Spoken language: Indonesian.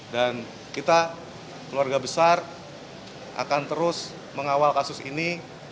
dan kita keluarga besar akan terus mengawal kasus ini